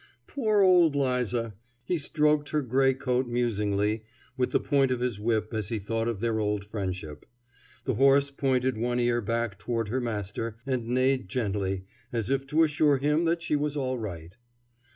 Poor old 'Liza! He stroked her gray coat musingly with the point of his whip as he thought of their old friendship. The horse pointed one ear back toward her master and neighed gently, as if to assure him that she was all right.